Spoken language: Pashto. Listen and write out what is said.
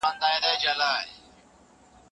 دا وسیله له هېندارو او لېزر څخه جوړه شوې وه.